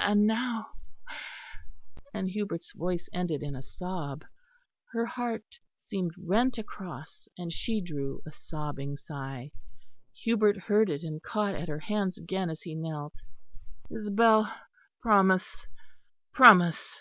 And now " and Hubert's voice ended in a sob. Her heart seemed rent across, and she drew a sobbing sigh. Hubert heard it, and caught at her hands again as he knelt. "Isabel, promise, promise."